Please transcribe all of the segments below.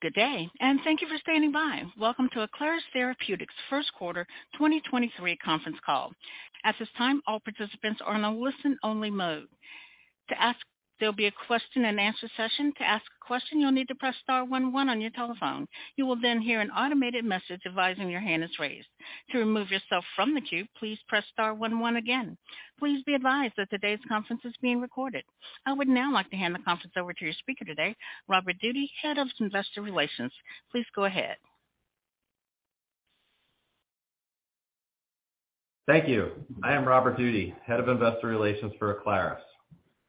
Good day. Thank you for standing by. Welcome to Aclaris Therapeutics' first quarter 2023 conference call. At this time, all participants are in a listen-only mode. There'll be a question and answer session. To ask a question, you'll need to press star one one on your telephone. You will hear an automated message advising your hand is raised. To remove yourself from the queue, please press star one one again. Please be advised that today's conference is being recorded. I would now like to hand the conference over to your speaker today, Robert Doody, Head of Investor Relations. Please go ahead. Thank you. I am Robert Doody, Head of Investor Relations for Aclaris.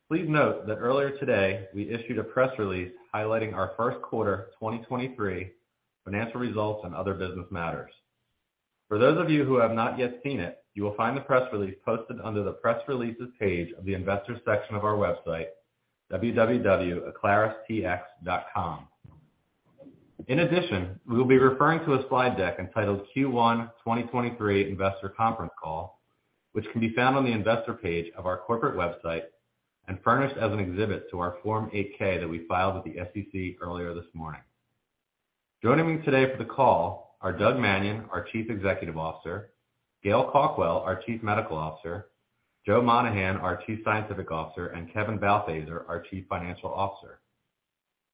Please note that earlier today, we issued a press release highlighting our first quarter 2023 financial results and other business matters. For those of you who have not yet seen it, you will find the press release posted under the Press Releases page of the Investors section of our website, www.aclaristx.com. We will be referring to a slide deck entitled Q1 2023 Investor Conference Call, which can be found on the Investor page of our corporate website and furnished as an exhibit to our Form 8-K that we filed with the SEC earlier this morning. Joining me today for the call are Douglas Manion, our Chief Executive Officer; Gail Cawkwell, our Chief Medical Officer; Joseph Monahan, our Chief Scientific Officer; and Kevin Balthaser, our Chief Financial Officer.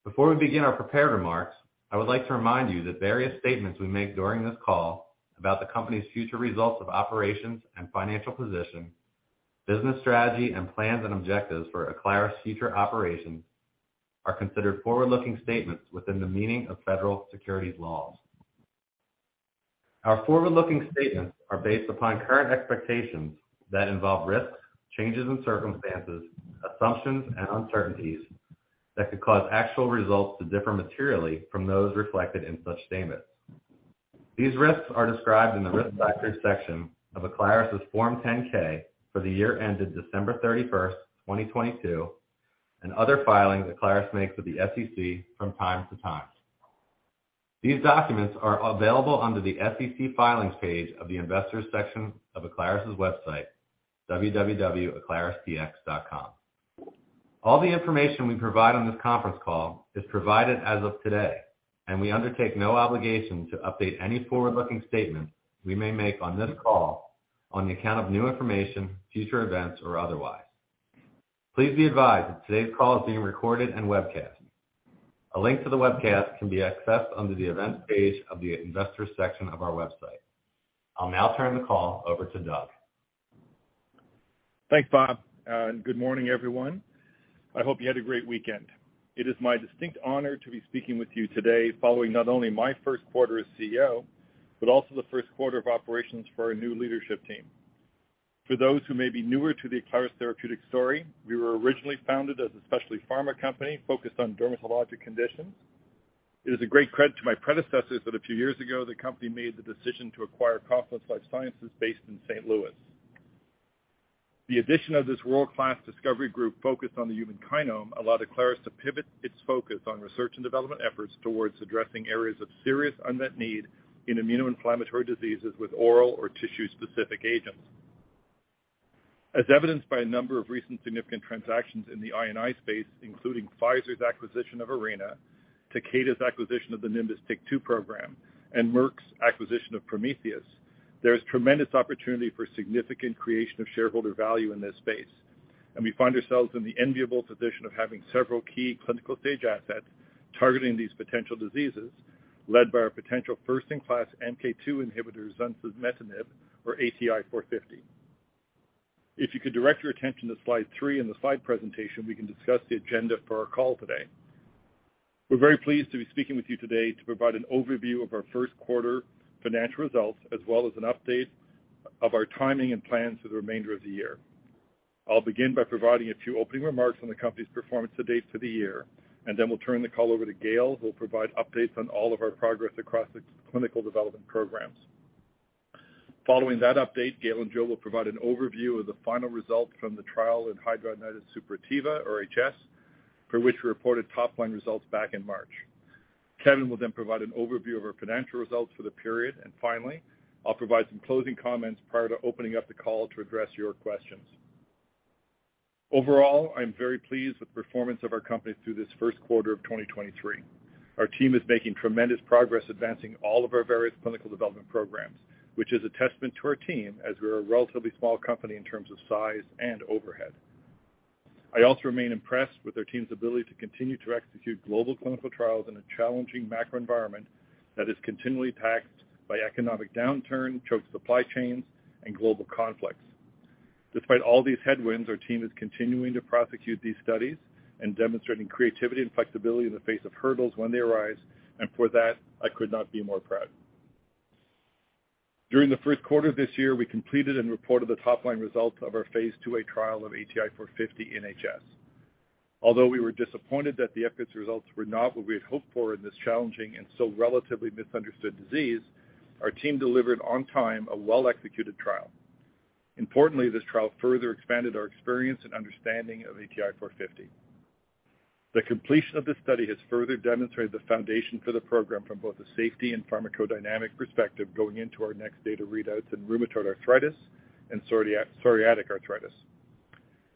Before we begin our prepared remarks, I would like to remind you that various statements we make during this call about the company's future results of operations and financial position, business strategy, and plans and objectives for Aclaris' future operations are considered forward-looking statements within the meaning of federal securities laws. Our forward-looking statements are based upon current expectations that involve risks, changes in circumstances, assumptions, and uncertainties that could cause actual results to differ materially from those reflected in such statements. These risks are described in the Risk Factors section of Aclaris' Form 10-K for the year ended December 31st, 2022, and other filings Aclaris makes with the SEC from time to time. These documents are available under the SEC Filings page of the Investors section of Aclaris' website, www.aclaristx.com. All the information we provide on this conference call is provided as of today, and we undertake no obligation to update any forward-looking statements we may make on this call on the account of new information, future events, or otherwise. Please be advised that today's call is being recorded and webcast. A link to the webcast can be accessed under the Events page of the Investors section of our website. I'll now turn the call over to Douglas. Thanks, Robert. Good morning, everyone. I hope you had a great weekend. It is my distinct honor to be speaking with you today following not only my first quarter as CEO, but also the first quarter of operations for our new leadership team. For those who may be newer to the Aclaris Therapeutics story, we were originally founded as a specialty pharma company focused on dermatologic conditions. It is a great credit to my predecessors that a few years ago, the company made the decision to acquire Confluence Life Sciences based in St. Louis. The addition of this world-class discovery group focused on the human kinome allowed Aclaris to pivot its focus on research and development efforts towards addressing areas of serious unmet need in immunoinflammatory diseases with oral or tissue-specific agents. As evidenced by a number of recent significant transactions in the I&I space, including Pfizer's acquisition of Arena, Takeda's acquisition of the Nimbus TYK2 program, and Merck's acquisition of Prometheus, there is tremendous opportunity for significant creation of shareholder value in this space, we find ourselves in the enviable position of having several key clinical stage assets targeting these potential diseases, led by our potential first-in-class MK2 inhibitor Zunsemetinib or ATI-450. If you could direct your attention to slide three in the slide presentation, we can discuss the agenda for our call today. We're very pleased to be speaking with you today to provide an overview of our first quarter financial results, as well as an update of our timing and plans for the remainder of the year. I'll begin by providing a few opening remarks on the company's performance to date for the year, and then we'll turn the call over to Gail, who will provide updates on all of our progress across the clinical development programs. Following that update, Gail and Joseph will provide an overview of the final results from the trial in hidradenitis suppurativa or HS, for which we reported top line results back in March. Kevin will then provide an overview of our financial results for the period. Finally, I'll provide some closing comments prior to opening up the call to address your questions. Overall, I'm very pleased with the performance of our company through this first quarter of 2023. Our team is making tremendous progress advancing all of our various clinical development programs, which is a testament to our team as we're a relatively small company in terms of size and overhead. I also remain impressed with our team's ability to continue to execute global clinical trials in a challenging macro environment that is continually taxed by economic downturn, choked supply chains, and global conflicts. Despite all these headwinds, our team is continuing to prosecute these studies and demonstrating creativity and flexibility in the face of hurdles when they arise. For that, I could not be more proud. During the first quarter of this year, we completed and reported the top line results of our phase 2a trial of ATI-450-NHS. We were disappointed that the efficacy results were not what we had hoped for in this challenging and so relatively misunderstood disease, our team delivered on time a well-executed trial. Importantly, this trial further expanded our experience and understanding of ATI-450. The completion of this study has further demonstrated the foundation for the program from both a safety and pharmacodynamic perspective going into our next data readouts in rheumatoid arthritis and psoriatic arthritis.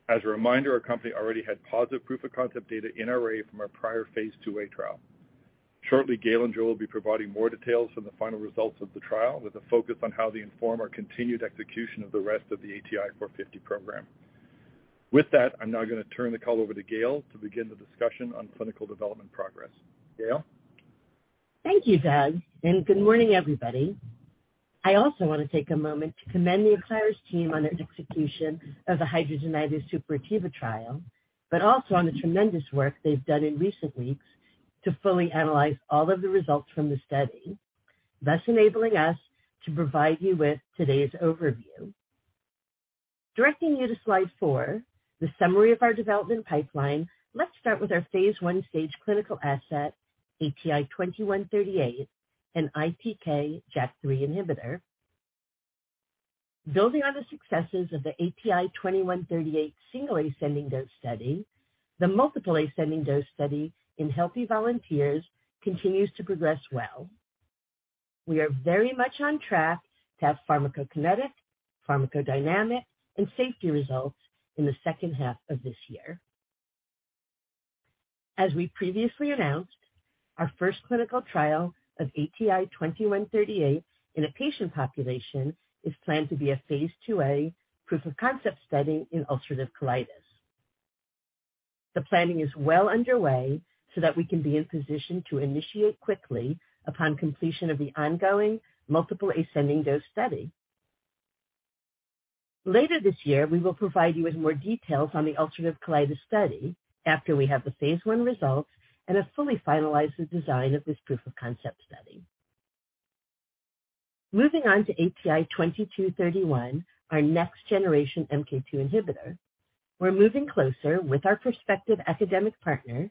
As a reminder, our company already had positive proof-of-concept data in RA from our prior phase 2a trial. Shortly, Gail and Joseph will be providing more details from the final results of the trial with a focus on how they inform our continued execution of the rest of the ATI-450 program. With that, I'm now gonna turn the call over to Gail to begin the discussion on clinical development progress. Gail? Thank you, Douglas, good morning, everybody. I also want to take a moment to commend the Aclaris team on their execution of the hidradenitis suppurativa trial, but also on the tremendous work they've done in recent weeks to fully analyze all of the results from the study, thus enabling us to provide you with today's overview. Directing you to slide four, the summary of our development pipeline, let's start with our phase 1 stage clinical asset, ATI-2138, an ITK/JAK3 inhibitor. Building on the successes of the ATI-2138 single ascending dose study, the multiple ascending dose study in healthy volunteers continues to progress well. We are very much on track to have pharmacokinetic, pharmacodynamic, and safety results in the second half of this year. As we previously announced, our first clinical trial of ATI-2138 in a patient population is planned to be a phase 2a proof-of-concept study in ulcerative colitis. The planning is well underway so that we can be in position to initiate quickly upon completion of the ongoing multiple ascending dose study. Later this year, we will provide you with more details on the ulcerative colitis study after we have the phase 1 results and have fully finalized the design of this proof-of-concept study. Moving on to ATI-2231, our next-generation MK2 inhibitor, we're moving closer with our prospective academic partner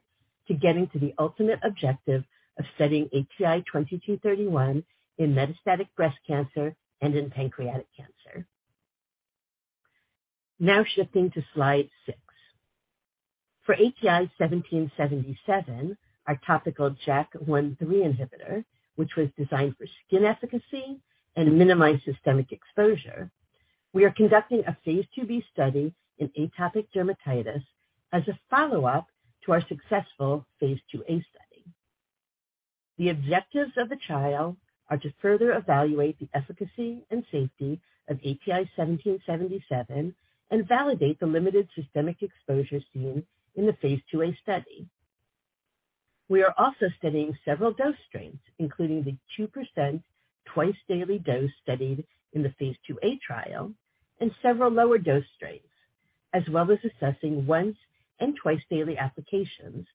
to getting to the ultimate objective of studying ATI-2231 in metastatic breast cancer and in pancreatic cancer. Shifting to slide six. For ATI-1777, our topical JAK1/3 inhibitor, which was designed for skin efficacy and minimized systemic exposure. We are conducting a phase 2b study in atopic dermatitis as a follow-up to our successful phase 2a study. The objectives of the trial are to further evaluate the efficacy and safety of ATI-1777 and validate the limited systemic exposure seen in the phase 2a study. We are also studying several dose strengths, including the 2% twice-daily dose studied in the phase 2a trial and several lower dose strengths, as well as assessing once and twice-daily applications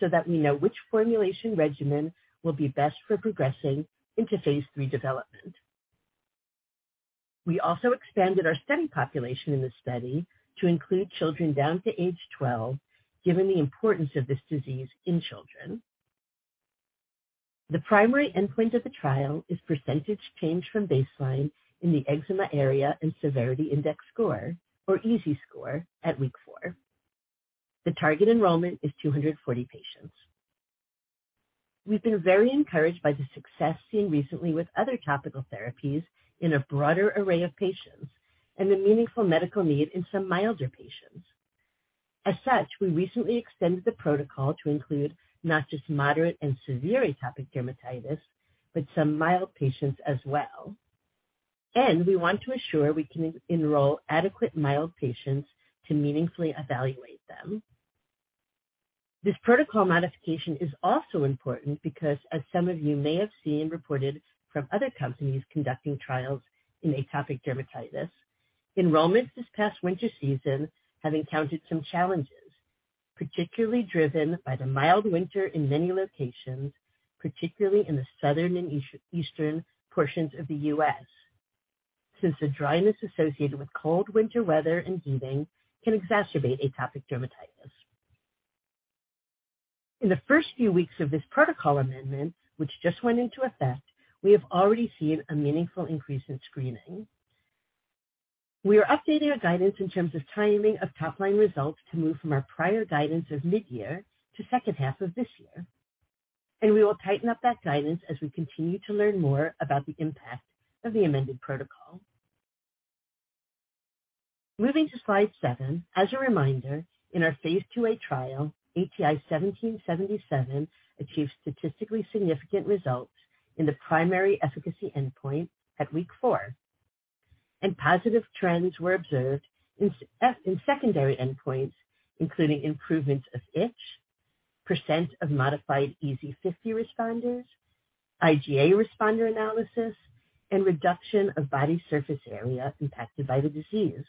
so that we know which formulation regimen will be best for progressing into phase 3 development. We also expanded our study population in the study to include children down to age 12, given the importance of this disease in children. The primary endpoint of the trial is percentage change from baseline in the Eczema Area and Severity Index Score, or EASI Score, at week four. The target enrollment is 240 patients. We've been very encouraged by the success seen recently with other topical therapies in a broader array of patients and the meaningful medical need in some milder patients. As such, we recently extended the protocol to include not just moderate and severe atopic dermatitis, but some mild patients as well. We want to assure we can enroll adequate mild patients to meaningfully evaluate them. This protocol modification is also important because, as some of you may have seen reported from other companies conducting trials in atopic dermatitis, enrollments this past winter season have encountered some challenges, particularly driven by the mild winter in many locations, particularly in the southern and east-eastern portions of the U.S., since the dryness associated with cold winter weather and heating can exacerbate atopic dermatitis. In the first few weeks of this protocol amendment, which just went into effect, we have already seen a meaningful increase in screening. We are updating our guidance in terms of timing of top-line results to move from our prior guidance of mid-year to second half of this year, and we will tighten up that guidance as we continue to learn more about the impact of the amended protocol. Moving to slide seven. As a reminder, in our phase 2a trial, ATI-1777 achieved statistically significant results in the primary efficacy endpoint at week four, and positive trends were observed in secondary endpoints, including improvements of itch, % of modified EASI-50 responders, IGA responder analysis, and reduction of body surface area impacted by the disease.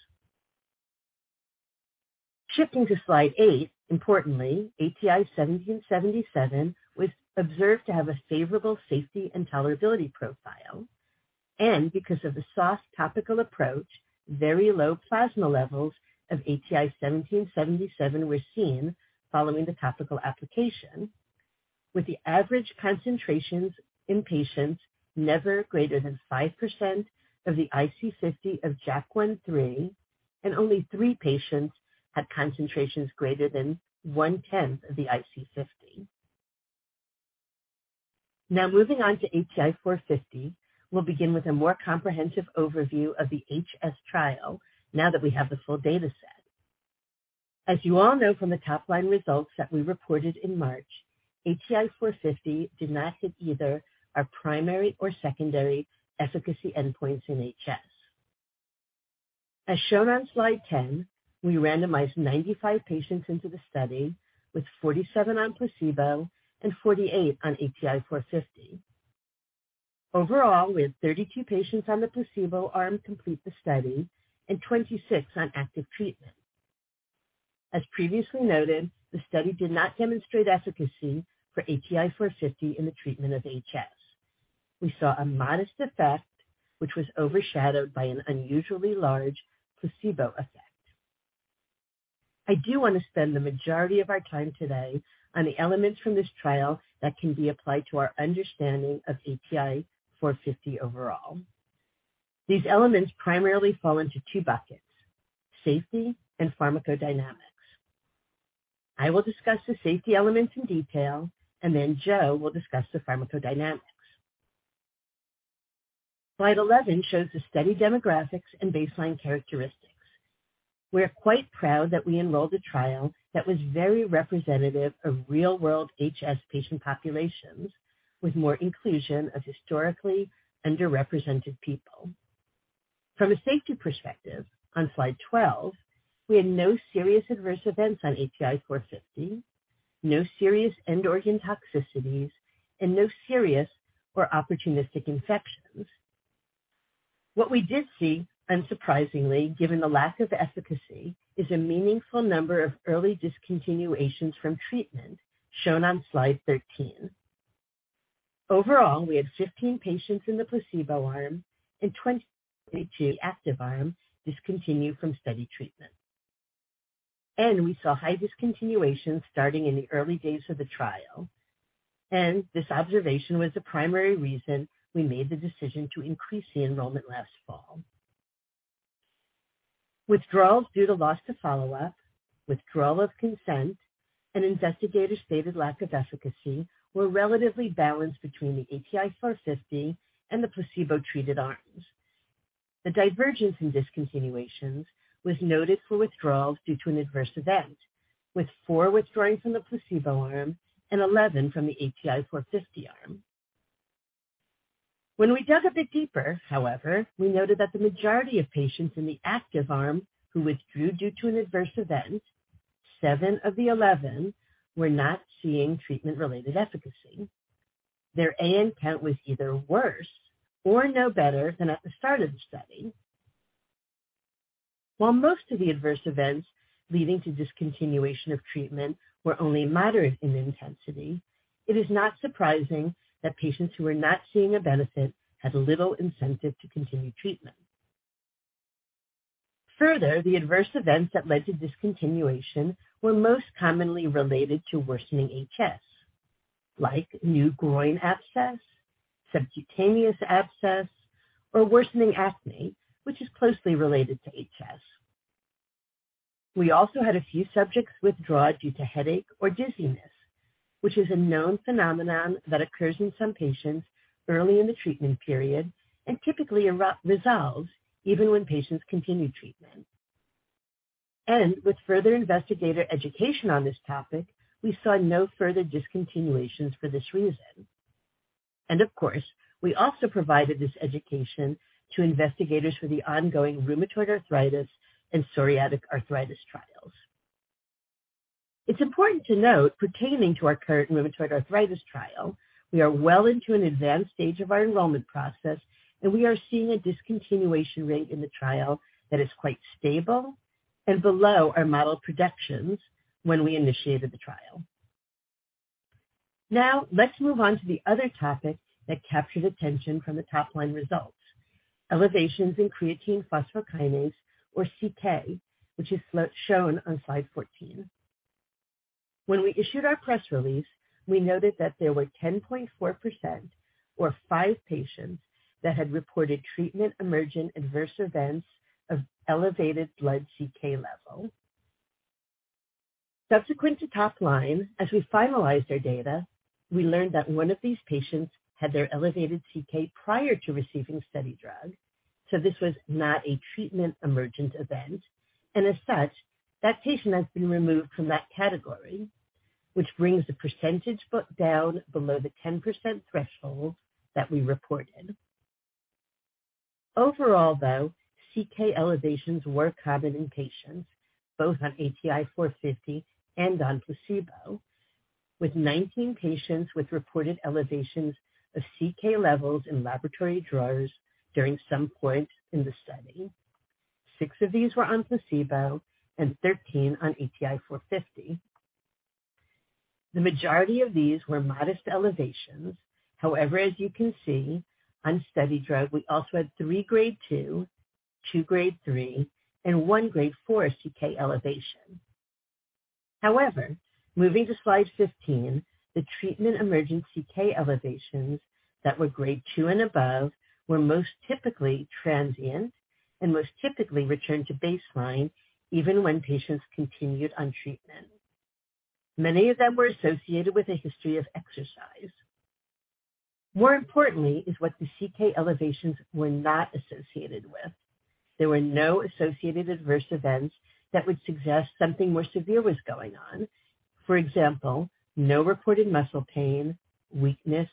Shifting to slide eight. Importantly, ATI-1777 was observed to have a favorable safety and tolerability profile because of the soft topical approach, very low plasma levels of ATI-1777 were seen following the topical application, with the average concentrations in patients never greater than 5% of the IC50 of JAK1/3. Only three patients had concentrations greater than one-tenth of the IC50. Moving on to ATI-450. We'll begin with a more comprehensive overview of the HS trial now that we have the full data set. As you all know from the top line results that we reported in March, ATI-450 did not hit either our primary or secondary efficacy endpoints in HS. As shown on slide 10, we randomized 95 patients into the study, with 47 on placebo and 48 on ATI-450. Overall, we had 32 patients on the placebo arm complete the study and 26 on active treatment. As previously noted, the study did not demonstrate efficacy for ATI-450 in the treatment of HS. We saw a modest effect, which was overshadowed by an unusually large placebo effect. I do want to spend the majority of our time today on the elements from this trial that can be applied to our understanding of ATI-450 overall. These elements primarily fall into two buckets: safety and pharmacodynamics. I will discuss the safety elements in detail, and then Joseph will discuss the pharmacodynamics. Slide 11 shows the study demographics and baseline characteristics. We are quite proud that we enrolled a trial that was very representative of real-world HS patient populations with more inclusion of historically underrepresented people. From a safety perspective, on slide 12, we had no serious adverse events on ATI-450, no serious end organ toxicities, and no serious or opportunistic infections. What we did see, unsurprisingly, given the lack of efficacy, is a meaningful number of early discontinuations from treatment shown on slide 13. Overall, we had 15 patients in the placebo arm and 22 active arm discontinue from study treatment. We saw high discontinuation starting in the early days of the trial. This observation was the primary reason we made the decision to increase the enrollment last fall. Withdrawals due to loss to follow-up, withdrawal of consent, and investigator-stated lack of efficacy were relatively balanced between the ATI-450 and the placebo-treated arms. The divergence in discontinuations was noted for withdrawals due to an adverse event, with four withdrawing from the placebo arm and 11 from the ATI-450 arm. When we dug a bit deeper, however, we noted that the majority of patients in the active arm who withdrew due to an adverse event, seven of the 11 were not seeing treatment-related efficacy. Their AN count was either worse or no better than at the start of the study. While most of the adverse events leading to discontinuation of treatment were only moderate in intensity, it is not surprising that patients who were not seeing a benefit had little incentive to continue treatment. Further, the adverse events that led to discontinuation were most commonly related to worsening HS, like new groin abscess, subcutaneous abscess, or worsening acne, which is closely related to HS. We also had a few subjects withdraw due to headache or dizziness, which is a known phenomenon that occurs in some patients early in the treatment period and typically resolves even when patients continue treatment. With further investigator education on this topic, we saw no further discontinuations for this reason. Of course, we also provided this education to investigators for the ongoing rheumatoid arthritis and psoriatic arthritis trials. It's important to note pertaining to our current rheumatoid arthritis trial, we are well into an advanced stage of our enrollment process, and we are seeing a discontinuation rate in the trial that is quite stable and below our model projections when we initiated the trial. Let's move on to the other topic that captured attention from the top-line results. Elevations in creatine phosphokinase or CK, which is shown on slide 14. We issued our press release, we noted that there were 10.4% or five patients that had reported treatment emergent adverse events of elevated blood CK level. Subsequent to top line, as we finalized our data, we learned that one of these patients had their elevated CK prior to receiving study drug, so this was not a treatment emergent event, and as such, that patient has been removed from that category, which brings the percentage down below the 10% threshold that we reported. Overall, though, CK elevations were common in patients both on ATI-450 and on placebo, with 19 patients with reported elevations of CK levels in laboratory drawers during some point in the study. Six of these were on placebo and 13 on ATI-450. The majority of these were modest elevations. As you can see on study drug, we also had three grade 2 two grade 3, and one grade 4 CK elevation. Moving to slide 15, the treatment emergent CK elevations that were grade 2 and above were most typically transient and most typically returned to baseline even when patients continued on treatment. Many of them were associated with a history of exercise. More importantly is what the CK elevations were not associated with. There were no associated adverse events that would suggest something more severe was going on. For example, no reported muscle pain, weakness,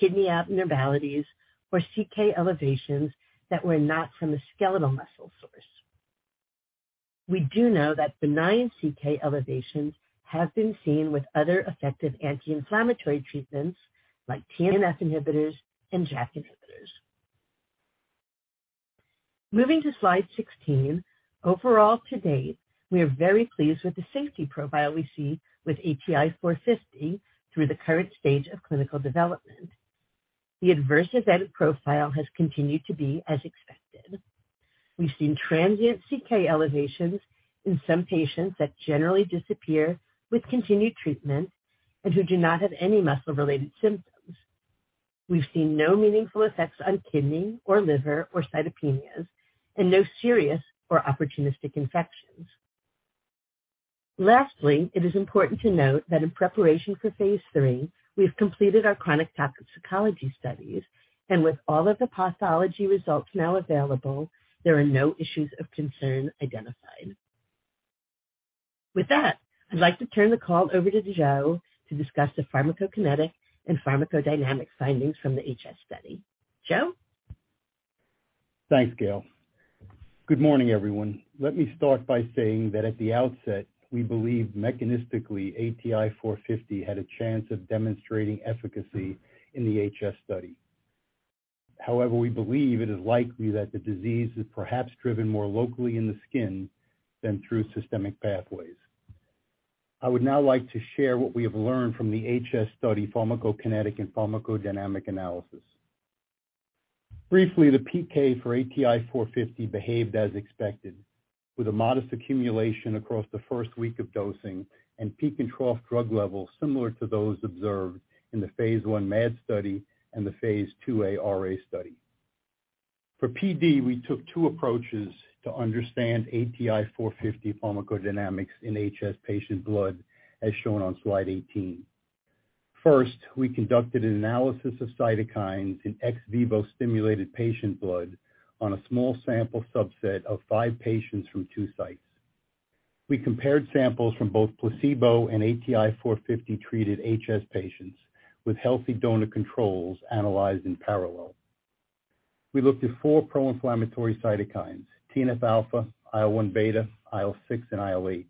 kidney abnormalities, or CK elevations that were not from a skeletal muscle source. We do know that benign CK elevations have been seen with other effective anti-inflammatory treatments like TNF inhibitors and JAK inhibitors. Moving to slide 16. Overall to date, we are very pleased with the safety profile we see with ATI-450 through the current stage of clinical development. The adverse event profile has continued to be as expected. We've seen transient CK elevations in some patients that generally disappear with continued treatment and who do not have any muscle-related symptoms. We've seen no meaningful effects on kidney or liver or cytopenias, and no serious or opportunistic infections. Lastly, it is important to note that in preparation for phase 3, we've completed our chronic toxicology studies, and with all of the pathology results now available, there are no issues of concern identified. With that, I'd like to turn the call over to Joseph to discuss the pharmacokinetic and pharmacodynamic findings from the HS study. Joseph? Thanks, Gail. Good morning, everyone. Let me start by saying that at the outset, we believe mechanistically ATI-450 had a chance of demonstrating efficacy in the HS study. However, we believe it is likely that the disease is perhaps driven more locally in the skin than through systemic pathways. I would now like to share what we have learned from the HS study pharmacokinetic and pharmacodynamic analysis. Briefly, the PK for ATI-450 behaved as expected, with a modest accumulation across the first week of dosing and peak and trough drug levels similar to those observed in the phase 1 MAD study and the phase 2a RA study. For PD, we took two approaches to understand ATI-450 pharmacodynamics in HS patient blood, as shown on slide 18. First, we conducted an analysis of cytokines in ex vivo stimulated patient blood on a small sample subset of five patients from two sites. We compared samples from both placebo and ATI-450-treated HS patients with healthy donor controls analyzed in parallel. We looked at four pro-inflammatory cytokines, TNF-α, IL-1β, IL-6, and IL-8,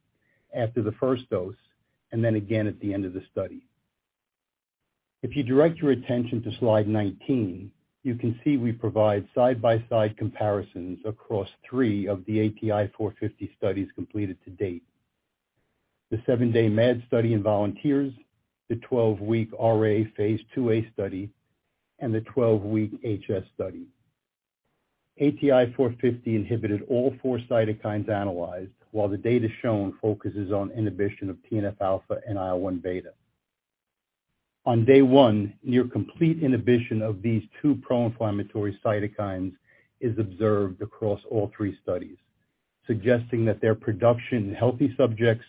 after the first dose, and then again at the end of the study. If you direct your attention to slide 19, you can see we provide side-by-side comparisons across three of the ATI-450 studies completed to date. The seven-day MAD study in volunteers, the 12-week RA phase 2a study, and the 12-week HS study. ATI-450 inhibited all four cytokines analyzed, while the data shown focuses on inhibition of TNF-α and IL-1β. On day one, near complete inhibition of these two pro-inflammatory cytokines is observed across all three studies, suggesting that their production in healthy subjects,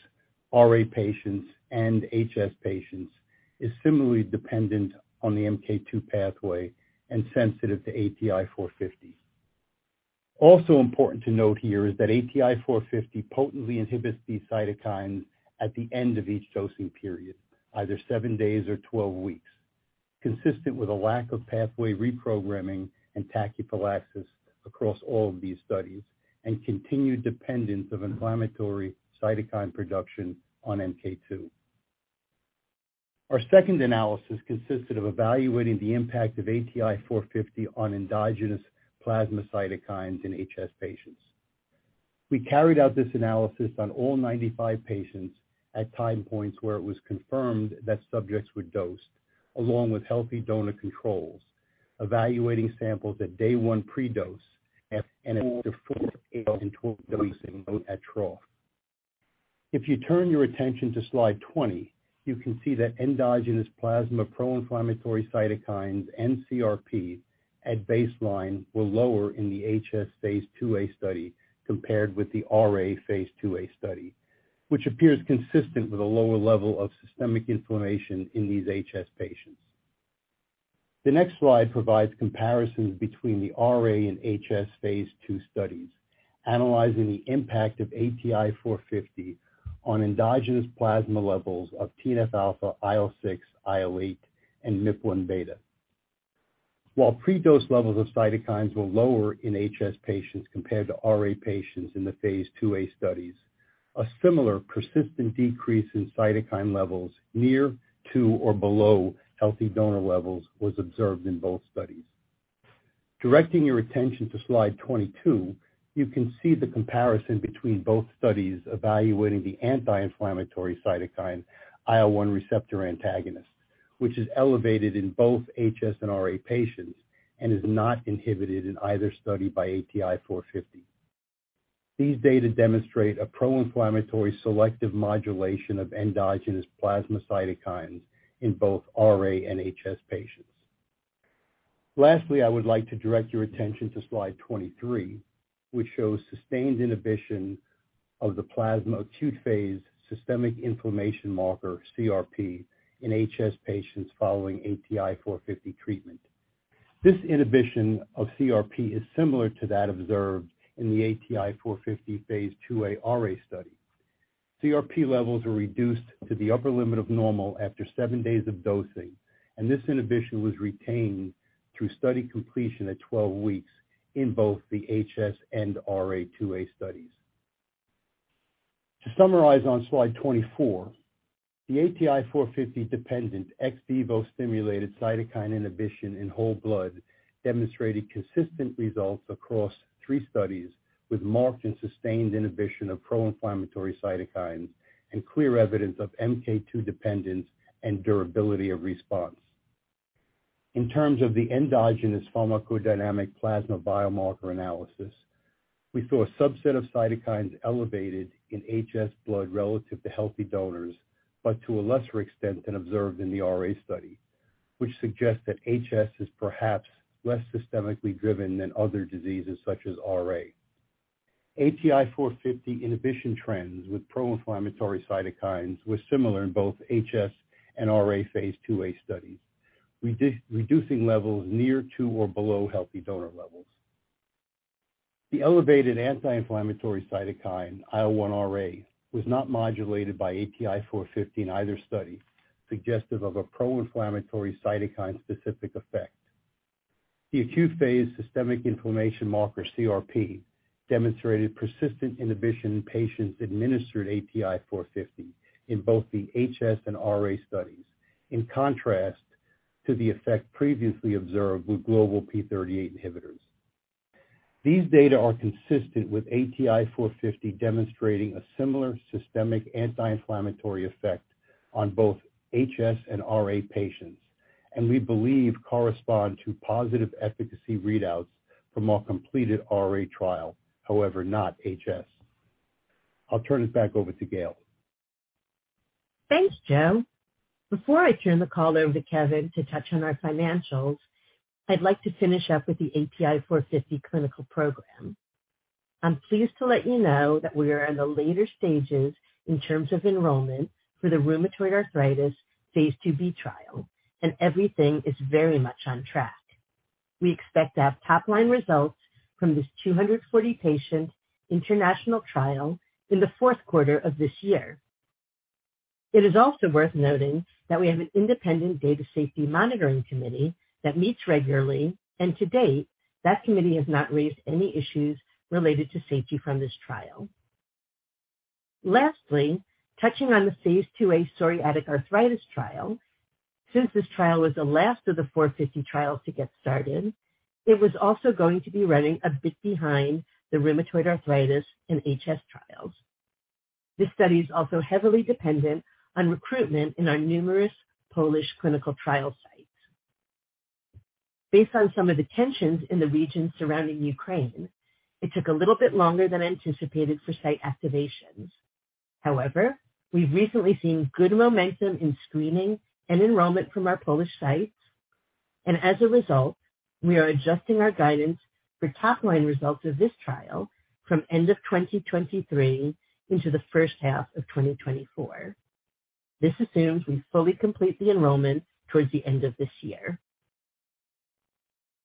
RA patients, and HS patients is similarly dependent on the MK2 pathway and sensitive to ATI-450. Also important to note here is that ATI-450 potently inhibits these cytokines at the end of each dosing period, either seven days or 12 weeks, consistent with a lack of pathway reprogramming and tachyphylaxis across all of these studies and continued dependence of inflammatory cytokine production on MK2. Our second analysis consisted of evaluating the impact of ATI-450 on endogenous plasma cytokines in HS patients. We carried out this analysis on all 95 patients at time points where it was confirmed that subjects were dosed along with healthy donor controls, evaluating samples at day one pre-dose and at trough. If you turn your attention to slide 20, you can see that endogenous plasma pro-inflammatory cytokines and CRP at baseline were lower in the HS phase 2a study compared with the RA phase 2a study, which appears consistent with a lower level of systemic inflammation in these HS patients. The next slide provides comparisons between the RA and HS phase 2 studies, analyzing the impact of ATI-450 on endogenous plasma levels of TNF-α, IL-6, IL-8, and MIP-1β. Pre-dose levels of cytokines were lower in HS patients compared to RA patients in the phase 2a studies, a similar persistent decrease in cytokine levels near to or below healthy donor levels was observed in both studies. Directing your attention to slide 22, you can see the comparison between both studies evaluating the anti-inflammatory cytokine IL-1 receptor antagonist, which is elevated in both HS and RA patients and is not inhibited in either study by ATI-450. These data demonstrate a pro-inflammatory selective modulation of endogenous plasma cytokines in both RA and HS patients. Lastly, I would like to direct your attention to slide 23, which shows sustained inhibition of the plasma acute-phase systemic inflammation marker, CRP, in HS patients following ATI-450 treatment. This inhibition of CRP is similar to that observed in the ATI-450 phase 2A RA study. CRP levels were reduced to the upper limit of normal after seven days of dosing, and this inhibition was retained through study completion at 12 weeks in both the HS and RA2A studies. To summarize on slide 24, the ATI-450-dependent ex vivo stimulated cytokine inhibition in whole blood demonstrated consistent results across three studies, with marked and sustained inhibition of pro-inflammatory cytokines and clear evidence of MK2 dependence and durability of response. In terms of the endogenous pharmacodynamic plasma biomarker analysis, we saw a subset of cytokines elevated in HS blood relative to healthy donors, but to a lesser extent than observed in the RA study, which suggests that HS is perhaps less systemically driven than other diseases such as RA. ATI-450 inhibition trends with pro-inflammatory cytokines were similar in both HS and RA phase 2a studies, red-reducing levels near to or below healthy donor levels. The elevated anti-inflammatory cytokine, IL-1RA, was not modulated by ATI-450 in either study, suggestive of a pro-inflammatory cytokine-specific effect. The acute-phase systemic inflammation marker, CRP, demonstrated persistent inhibition in patients administered ATI-450 in both the HS and RA studies, in contrast to the effect previously observed with global p38 inhibitors. These data are consistent with ATI-450 demonstrating a similar systemic anti-inflammatory effect on both HS and RA patients, and we believe correspond to positive efficacy readouts from our completed RA trial, however, not HS. I'll turn it back over to Gail. Thanks, Joseph. Before I turn the call over to Kevin to touch on our financials, I'd like to finish up with the ATI-450 clinical program. I'm pleased to let you know that we are in the later stages in terms of enrollment for the rheumatoid arthritis phase 2b trial, and everything is very much on track. We expect to have top-line results from this 240-patient international trial in the fourth quarter of this year. It is also worth noting that we have an independent data safety monitoring committee that meets regularly. To date, that committee has not raised any issues related to safety from this trial. Lastly, touching on the phase 2a psoriatic arthritis trial. Since this trial was the last of the 450 trials to get started, it was also going to be running a bit behind the rheumatoid arthritis and HS trials. This study is also heavily dependent on recruitment in our numerous Polish clinical trial sites. Based on some of the tensions in the region surrounding Ukraine, it took a little bit longer than anticipated for site activations. We've recently seen good momentum in screening and enrollment from our Polish sites, and as a result, we are adjusting our guidance for top-line results of this trial from end of 2023 into the first half of 2024. This assumes we fully complete the enrollment towards the end of this year.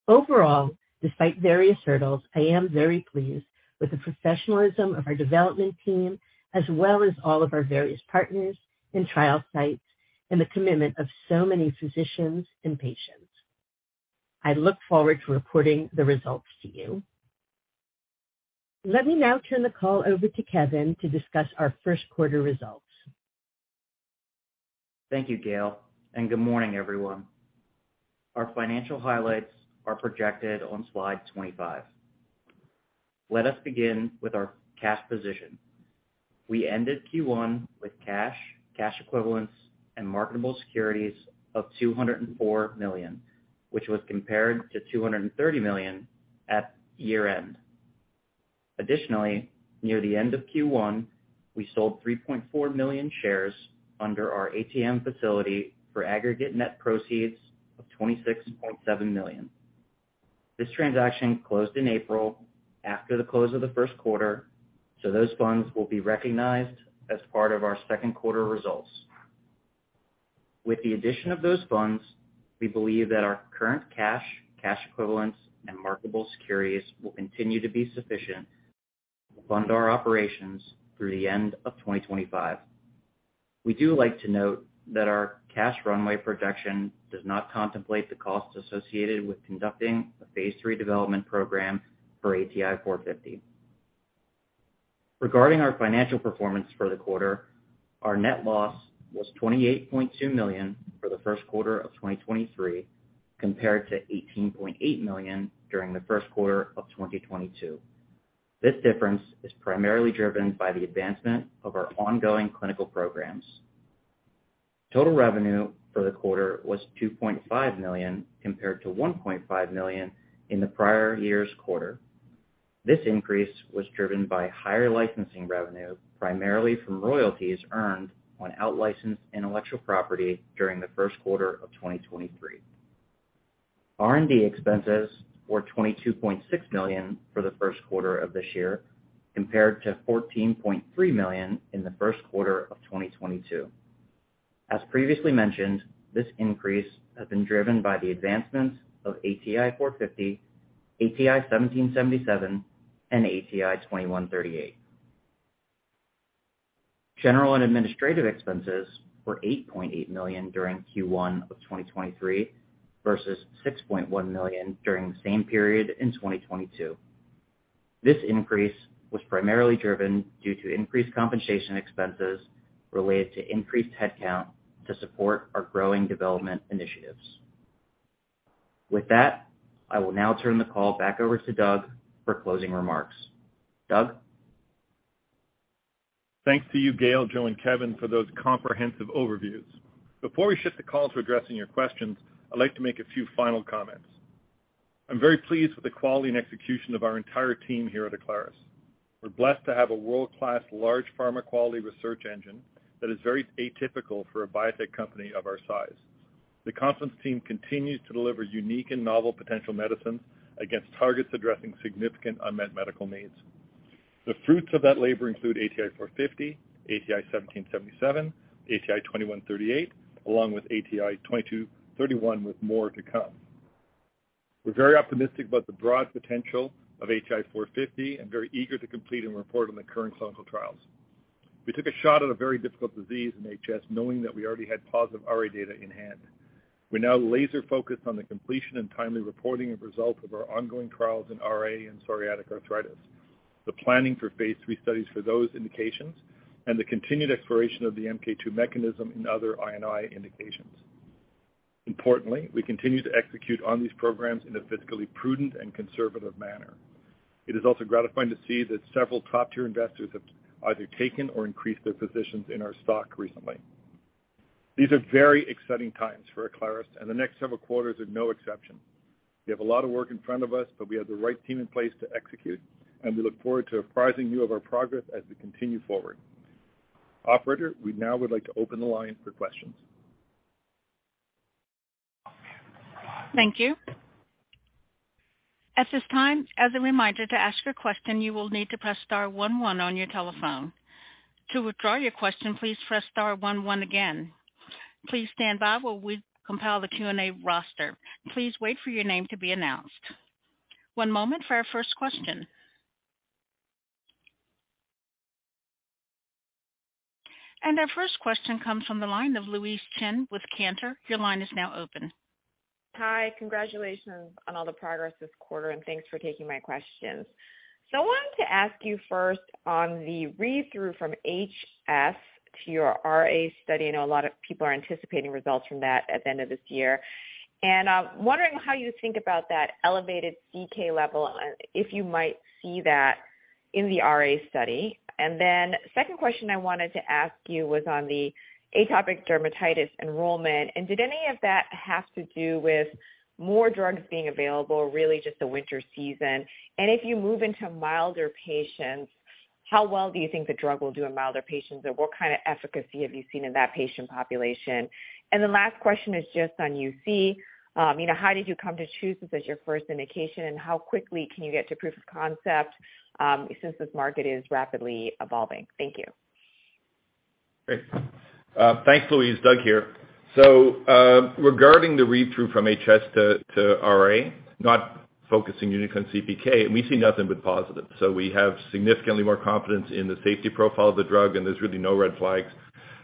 Overall, despite various hurdles, I am very pleased with the professionalism of our development team, as well as all of our various partners and trial sites, and the commitment of so many physicians and patients. I look forward to reporting the results to you. Let me now turn the call over to Kevin to discuss our first quarter results. Thank you, Gail, and good morning, everyone. Our financial highlights are projected on slide 25. Let us begin with our cash position. We ended Q1 with cash equivalents, and marketable securities of $204 million, which was compared to $230 million at year-end. Additionally, near the end of Q1, we sold 3.4 million shares under our ATM facility for aggregate net proceeds of $26.7 million. This transaction closed in April after the close of the first quarter, so those funds will be recognized as part of our second quarter results. With the addition of those funds, we believe that our current cash equivalents, and marketable securities will continue to be sufficient to fund our operations through the end of 2025. We do like to note that our cash runway projection does not contemplate the costs associated with conducting a phase 3 development program for ATI-450. Regarding our financial performance for the quarter, our net loss was $28.2 million for the first quarter of 2023, compared to $18.8 million during the first quarter of 2022. This difference is primarily driven by the advancement of our ongoing clinical programs. Total revenue for the quarter was $2.5 million compared to $1.5 million in the prior year's quarter. This increase was driven by higher licensing revenue, primarily from royalties earned on out licensed intellectual property during the first quarter of 2023. R&D expenses were $22.6 million for the first quarter of this year compared to $14.3 million in the first quarter of 2022. As previously mentioned, this increase has been driven by the advancements of ATI-450, ATI-1777 and ATI-2138. General and administrative expenses were $8.8 million during Q1 of 2023 versus $6.1 million during the same period in 2022. This increase was primarily driven due to increased compensation expenses related to increased headcount to support our growing development initiatives. I will now turn the call back over to Douglas for closing remarks. Douglas? Thanks to you, Gail, Joseph, and Kevin for those comprehensive overviews. Before we shift the call to addressing your questions, I'd like to make a few final comments. I'm very pleased with the quality and execution of our entire team here at Aclaris. We're blessed to have a world-class large pharma quality research engine that is very atypical for a biotech company of our size. The Confluence team continues to deliver unique and novel potential medicines against targets addressing significant unmet medical needs. The fruits of that labor include ATI-450, ATI-1777, ATI-2138, along with ATI-2231 with more to come. We're very optimistic about the broad potential of ATI-450 and very eager to complete and report on the current clinical trials. We took a shot at a very difficult disease in HS, knowing that we already had positive RA data in-hand. We're now laser focused on the completion and timely reporting of results of our ongoing trials in RA and psoriatic arthritis, the planning for phase 3 studies for those indications, and the continued exploration of the MK2 mechanism in other I&I indications. Importantly, we continue to execute on these programs in a fiscally prudent and conservative manner. It is also gratifying to see that several top-tier investors have either taken or increased their positions in our stock recently. These are very exciting times for Aclaris, and the next several quarters are no exception. We have a lot of work in front of us, but we have the right team in place to execute, and we look forward to apprising you of our progress as we continue forward. Operator, we now would like to open the line for questions. Thank you. At this time, as a reminder to ask your question, you will need to press star one one on your telephone. To withdraw your question, please press star one one again. Please stand by while we compile the Q&A roster. Please wait for your name to be announced. One moment for our first question. Our first question comes from the line of Louise Chen with Cantor. Your line is now open. Hi. Congratulations on all the progress this quarter, and thanks for taking my questions. I wanted to ask you first on the read-through from HS to your RA study. I know a lot of people are anticipating results from that at the end of this year. I'm wondering how you think about that elevated CK level, if you might see that in the RA study. Second question I wanted to ask you was on the atopic dermatitis enrollment, and did any of that have to do with more drugs being available, really just the winter season? If you move into milder patients, how well do you think the drug will do in milder patients? What kind of efficacy have you seen in that patient population? The last question is just on UC. You know, how did you come to choose this as your first indication? How quickly can you get to proof of concept, since this market is rapidly evolving? Thank you. Great. Thanks, Louise. Douglas here. Regarding the read-through from HS to RA, not focusing uniquely on CPK, we see nothing but positive. We have significantly more confidence in the safety profile of the drug, and there's really no red flags.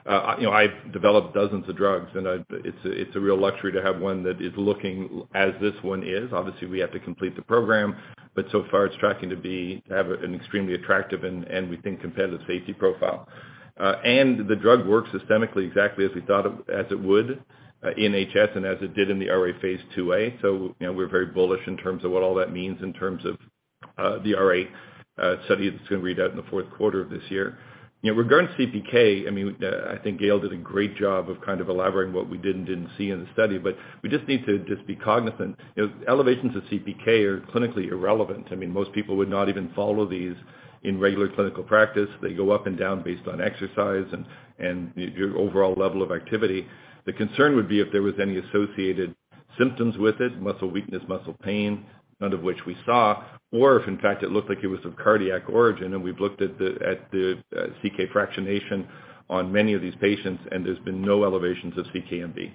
You know, I've developed dozens of drugs, and it's a real luxury to have one that is looking as this one is. Obviously, we have to complete the program, but so far it's tracking to have an extremely attractive and we think competitive safety profile. And the drug works systemically exactly as we thought as it would in HS and as it did in the RA phase 2a. You know, we're very bullish in terms of what all that means in terms of the RA study that's going to read out in the fourth quarter of this year. You know, regarding CPK, I mean, I think Gail did a great job of kind of elaborating what we did and didn't see in the study, but we just need to just be cognizant. You know, elevations of CPK are clinically irrelevant. I mean, most people would not even follow these in regular clinical practice. They go up and down based on exercise and your overall level of activity. The concern would be if there was any associated symptoms with it, muscle weakness, muscle pain, none of which we saw, or if in fact it looked like it was of cardiac origin. We've looked at the CK fractionation on many of these patients, and there's been no elevations of CK-MB.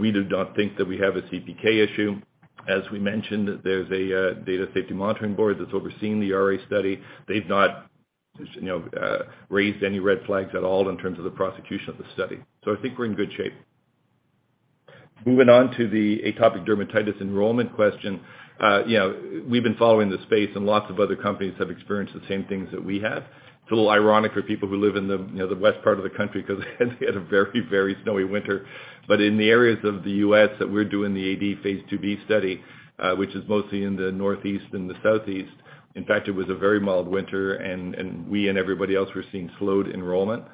We do not think that we have a CPK issue. As we mentioned, there's a data safety monitoring board that's overseeing the RA study. They've not, you know, raised any red flags at all in terms of the prosecution of the study. I think we're in good shape. Moving on to the atopic dermatitis enrollment question. You know, we've been following this space and lots of other companies have experienced the same things that we have. It's a little ironic for people who live in the, you know, the west part of the country because they had a very snowy winter. In the areas of the U.S. that we're doing the AD phase 2b study, which is mostly in the Northeast and the Southeast, in fact, it was a very mild winter, we and everybody else were seeing slowed enrollment.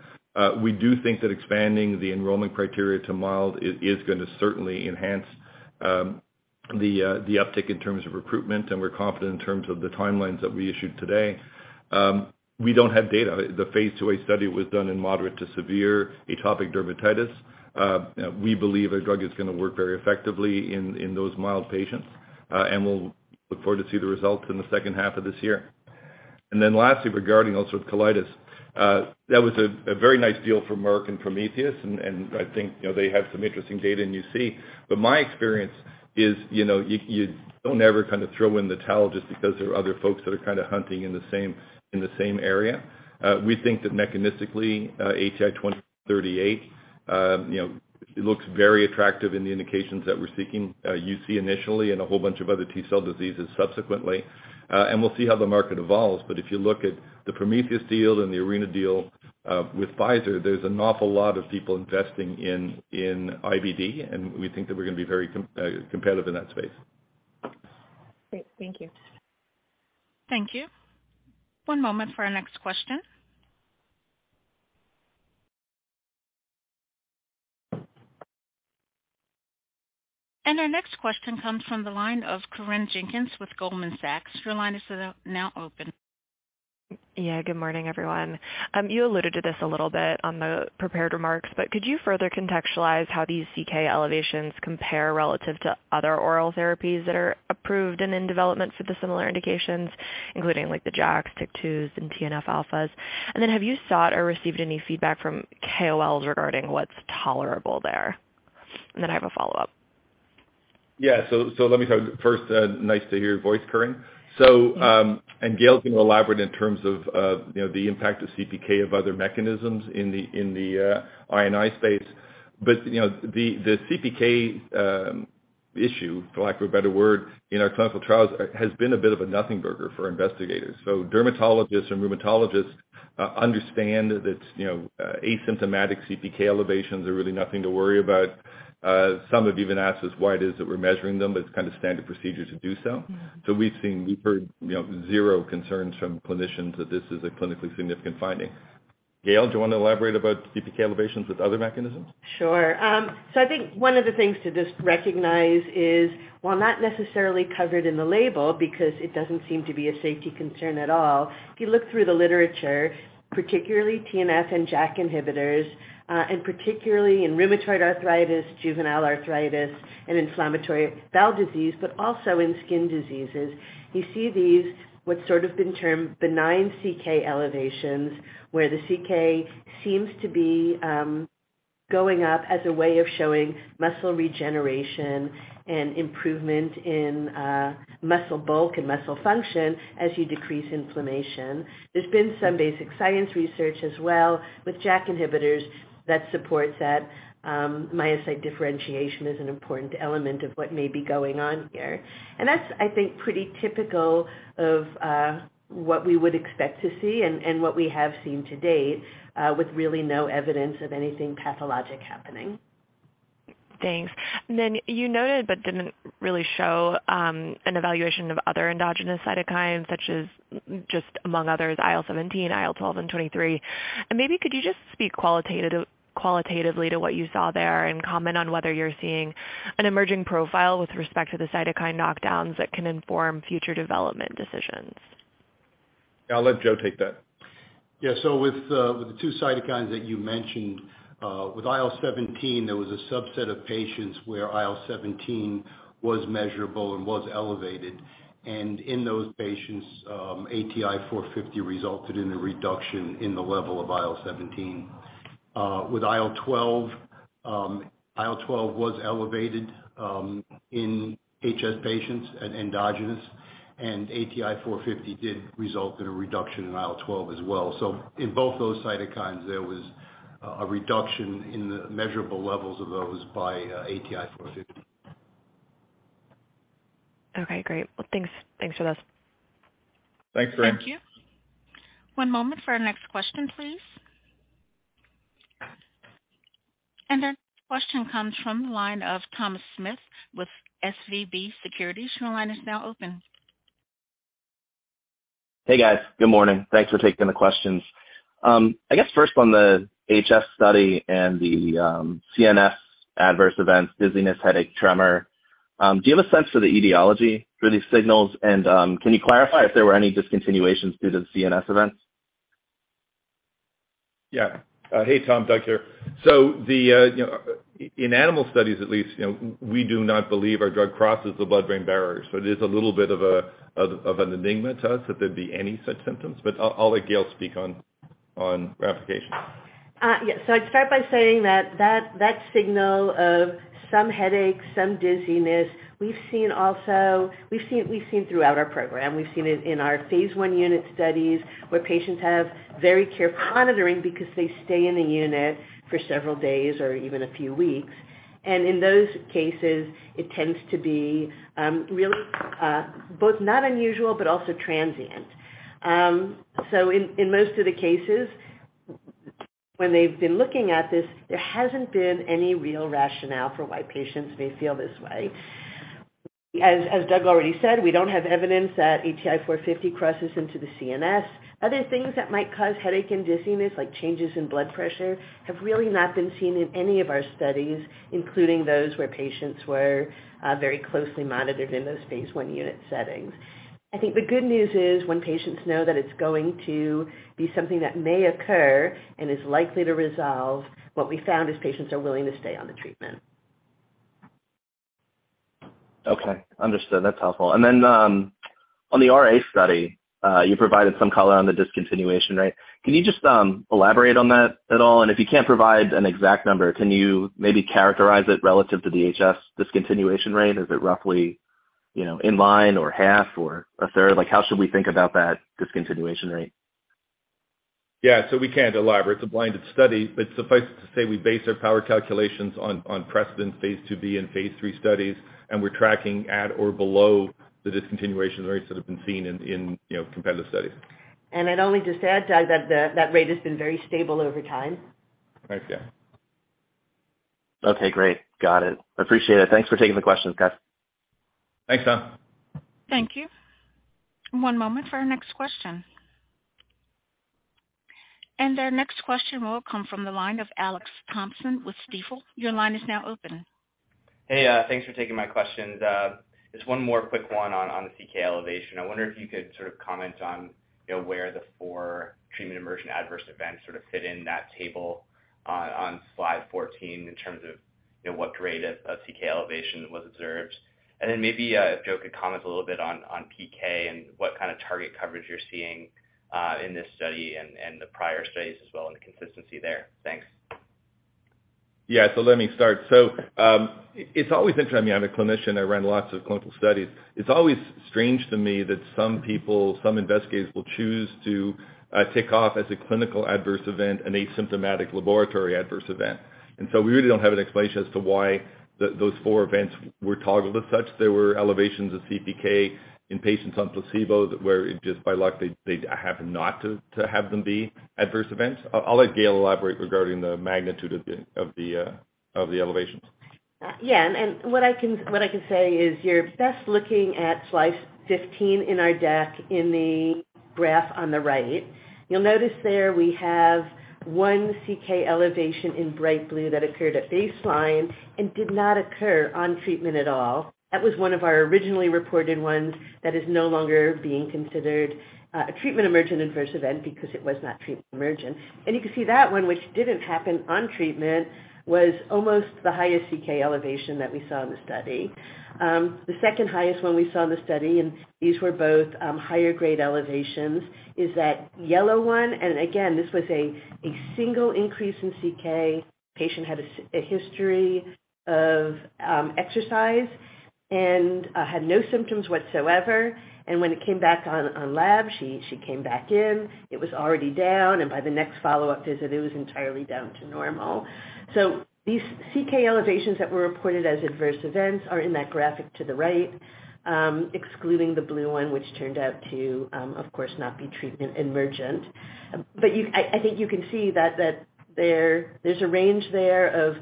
We do think that expanding the enrollment criteria to mild is gonna certainly enhance the uptick in terms of recruitment, and we're confident in terms of the timelines that we issued today. We don't have data. The phase 2a study was done in moderate to severe atopic dermatitis. We believe our drug is gonna work very effectively in those mild patients. We'll look forward to see the results in the second half of this year. Lastly, regarding ulcerative colitis, that was a very nice deal for Merck and Prometheus, and I think, you know, they have some interesting data in UC. My experience is, you know, you don't ever kind of throw in the towel just because there are other folks that are kind of hunting in the same area. We think that mechanistically, ATI-2138, you know, looks very attractive in the indications that we're seeking, UC initially and a whole bunch of other T-cell diseases subsequently. We'll see how the market evolves. If you look at the Prometheus deal and the Arena deal with Pfizer, there's an awful lot of people investing in IBD, and we think that we're gonna be very competitive in that space. Great. Thank you. Thank you. One moment for our next question. Our next question comes from the line of Corinne Jenkins with Goldman Sachs. Your line is now open. Yeah, good morning, everyone. You alluded to this a little bit on the prepared remarks, but could you further contextualize how these CK elevations compare relative to other oral therapies that are approved and in development for the similar indications, including like the JAKs, TYK2s, and TNF-alphas? Have you sought or received any feedback from KOLs regarding what's tolerable there? I have a follow-up. Yeah. First, nice to hear your voice, Corinne. Thanks. And Gail's going to elaborate in terms of, you know, the impact of CPK of other mechanisms in the I&I space. You know, the CPK issue, for lack of a better word, in our clinical trials has been a bit of a nothing burger for investigators. Dermatologists and rheumatologists understand that, you know, asymptomatic CPK elevations are really nothing to worry about. Some have even asked us why it is that we're measuring them, but it's kind of standard procedure to do so. Mm-hmm. We've seen, we've heard, you know, zero concerns from clinicians that this is a clinically significant finding. Gail, do you wanna elaborate about CPK elevations with other mechanisms? Sure. I think one of the things to just recognize is, while not necessarily covered in the label because it doesn't seem to be a safety concern at all, if you look through the literature, particularly TNF inhibitors and JAK inhibitors, and particularly in rheumatoid arthritis, juvenile arthritis, and inflammatory bowel disease, also in skin diseases, you see these, what's sort of been termed benign CK elevations, where the CK seems to be going up as a way of showing muscle regeneration and improvement in muscle bulk and muscle function as you decrease inflammation. There's been some basic science research as well with JAK inhibitors that supports that myocyte differentiation is an important element of what may be going on here. That's, I think, pretty typical of what we would expect to see and what we have seen to date, with really no evidence of anything pathologic happening. Thanks. Then you noted but didn't really show, an evaluation of other endogenous cytokines, such as, just among others, IL-17, IL-12 and 23. Maybe could you just speak qualitatively to what you saw there and comment on whether you're seeing an emerging profile with respect to the cytokine knockdowns that can inform future development decisions? Yeah, I'll let Joseph take that. Yeah. With the two cytokines that you mentioned, with IL-17, there was a subset of patients where IL-17 was measurable and was elevated. In those patients, ATI-450 resulted in a reduction in the level of IL-17. With IL-12, IL-12 was elevated in HS patients and endogenous, ATI-450 did result in a reduction in IL-12 as well. In both those cytokines, there was a reduction in the measurable levels of those by ATI-450. Okay, great. Well, thanks. Thanks for those. Thanks, Corinne. Thank you. One moment for our next question, please. Our next question comes from the line of Thomas Smith with SVB Securities. Your line is now open. Hey, guys. Good morning. Thanks for taking the questions. I guess first on the HS study and the CNS adverse events, dizziness, headache, tremor, do you have a sense for the etiology for these signals? Can you clarify if there were any discontinuations due to the CNS events? Yeah. Hey, Thomas. Douglas here. The, you know, in animal studies, at least, you know, we do not believe our drug crosses the blood-brain barrier. It is a little bit of an enigma to us if there'd be any such symptoms. I'll let Gail speak on ramifications. Yeah. I'd start by saying that signal of some headaches, some dizziness, we've seen also, we've seen throughout our program. We've seen it in our phase 1 unit studies, where patients have very care monitoring because they stay in the unit for several days or even a few weeks. In those cases, it tends to be, really, both not unusual but also transient. In most of the cases when they've been looking at this, there hasn't been any real rationale for why patients may feel this way. As Douglas already said, we don't have evidence that ATI-450 crosses into the CNS. Other things that might cause headache and dizziness, like changes in blood pressure, have really not been seen in any of our studies, including those where patients were very closely monitored in those phase 1 unit settings. I think the good news is when patients know that it's going to be something that may occur and is likely to resolve, what we found is patients are willing to stay on the treatment. Okay. Understood. That's helpful. On the RA study, you provided some color on the discontinuation rate. Can you just, elaborate on that at all? If you can't provide an exact number, can you maybe characterize it relative to the HS discontinuation rate? Is it roughly, you know, in line or half or a third? Like, how should we think about that discontinuation rate? Yeah. We can't elaborate. It's a blinded study. Suffice it to say, we base our power calculations on precedent phase 2b and phase 3 studies, and we're tracking at or below the discontinuation rates that have been seen in, you know, competitive studies. I'd only just add, Douglas that rate has been very stable over time. Thanks, Gail. Okay, great. Got it. I appreciate it. Thanks for taking the questions, guys. Thanks, Thomas. Thank you. One moment for our next question. Our next question will come from the line of Alex Thompson with Stifel. Your line is now open. Hey. Thanks for taking my questions. Just one more quick one on the CK elevation. I wonder if you could sort of comment on, you know, where the four treatment-emergent adverse events sort of fit in that table on slide 14 in terms of, you know, what grade of CK elevation was observed. Maybe if Joseph could comment a little bit on PK and what kind of target coverage you're seeing in this study and the prior studies as well and the consistency there. Thanks. Let me start. It's always interesting. I mean, I'm a clinician. I run lots of clinical studies. It's always strange to me that some people, some investigators will choose to tick off as a clinical adverse event an asymptomatic laboratory adverse event. We really don't have an explanation as to why those four events were toggled as such. There were elevations of CPK in patients on placebo that were just by luck, they happen not to have them be adverse events. I'll let Gail elaborate regarding the magnitude of the elevations. Yeah. What I can say is you're best looking at slide 15 in our deck in the graph on the right. You'll notice there we have one CK elevation in bright blue that occurred at baseline and did not occur on treatment at all. That was one of our originally reported ones that is no longer being considered a treatment emergent adverse event because it was not treatment emergent. You can see that one, which didn't happen on treatment, was almost the highest CK elevation that we saw in the study. The second highest one we saw in the study, and these were both higher grade elevations, is that yellow one. Again, this was a single increase in CK. Patient had a history of exercise and had no symptoms whatsoever. When it came back on lab, she came back in, it was already down, and by the next follow-up visit, it was entirely down to normal. These CK elevations that were reported as adverse events are in that graphic to the right, excluding the blue one, which turned out to, of course not be treatment emergent. I think you can see that there's a range there of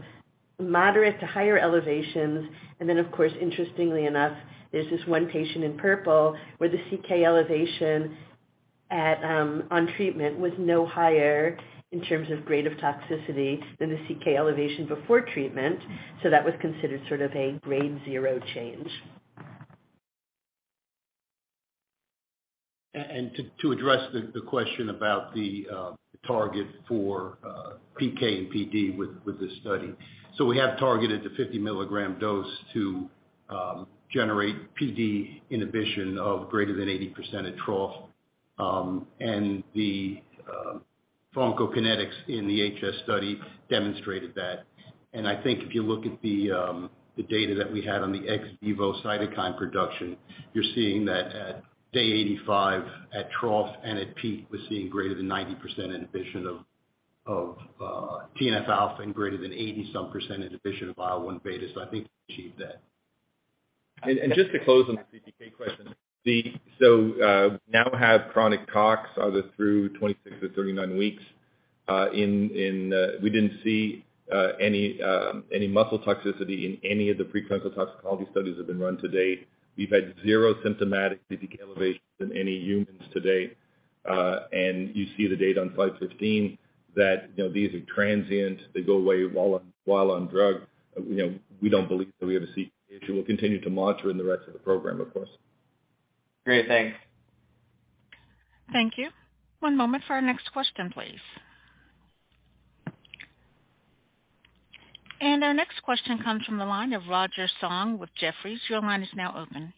moderate to higher elevations. Then of course, interestingly enough, there's this one patient in purple where the CK elevation at on treatment was no higher in terms of grade of toxicity than the CK elevation before treatment. That was considered sort of a grade zero change. To address the question about the target for PK and PD with this study. We have targeted the 50-milligram dose to generate PD inhibition of greater than 80% at trough. The pharmacokinetics in the HS study demonstrated that. I think if you look at the data that we had on the ex vivo cytokine production, you're seeing that at day 85 at trough and at peak, we're seeing greater than 90% inhibition of TNF-α and greater than 80% some inhibition of IL-1β. I think we achieved that. Just to close on the CPK question. So, now have chronic tox either through 26 to 39 weeks, in, we didn't see any muscle toxicity in any of the preclinical toxicology studies that have been run to date. We've had zero symptomatic CPK elevations in any humans to date. You see the data on slide 15 that, you know, these are transient. They go away while on, while on drug. You know, we don't believe that we have a CK issue. We'll continue to monitor in the rest of the program, of course. Great. Thanks. Thank you. One moment for our next question, please. Our next question comes from the line of Roger Song with Jefferies. Your line is now open.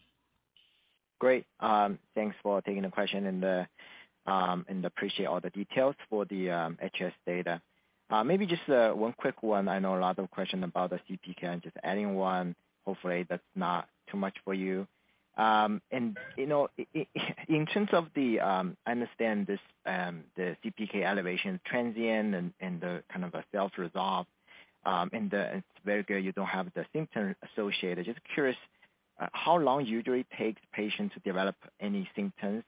Great. Thanks for taking the question and appreciate all the details for the HS data. Maybe just one quick one. I know a lot of questions about the CPK and just adding one, hopefully that's not too much for you. You know, in terms of the, I understand this, the CPK elevation transient and the kind of a self-resolve, and it's very clear you don't have the symptom associated. Just curious, how long usually it takes patient to develop any symptoms,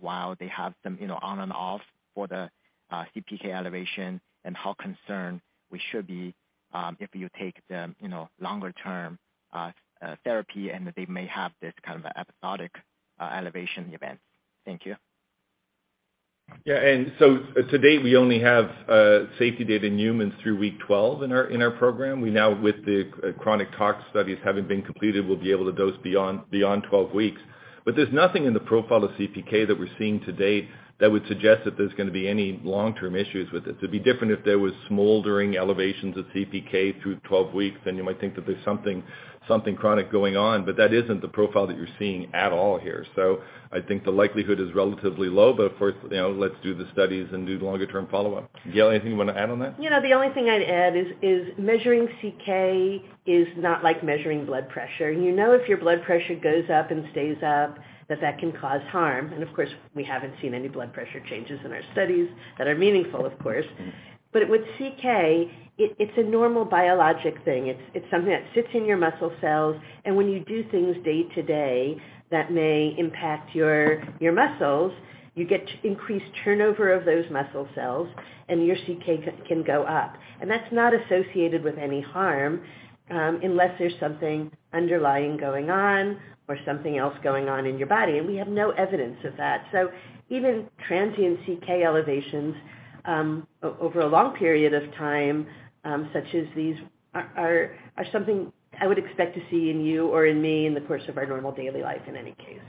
while they have some, you know, on and off for the CPK elevation and how concerned we should be, if you take them, you know, longer term therapy and they may have this kind of episodic elevation event? Thank you. Yeah. To date, we only have safety data in humans through week 12 in our program. We now with the chronic tox studies having been completed, we'll be able to dose beyond 12 weeks. There's nothing in the profile of CPK that we're seeing to date that would suggest that there's gonna be any long-term issues with it. It'd be different if there was smoldering elevations of CPK through 12 weeks, then you might think that there's something chronic going on, but that isn't the profile that you're seeing at all here. I think the likelihood is relatively low, but of course, you know, let's do the studies and do the longer-term follow-up. Gail, anything you wanna add on that? You know, the only thing I'd add is measuring CK is not like measuring blood pressure. You know if your blood pressure goes up and stays up, that can cause harm. Of course, we haven't seen any blood pressure changes in our studies that are meaningful, of course. With CK, it's a normal biologic thing. It's something that sits in your muscle cells, and when you do things day to day that may impact your muscles, you get increased turnover of those muscle cells and your CK can go up. That's not associated with any harm, unless there's something underlying going on or something else going on in your body. We have no evidence of that. even transient CK elevations, over a long period of time, such as these are something I would expect to see in you or in me in the course of our normal daily life in any case.